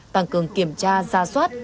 tăng cường kiểm tra ra soát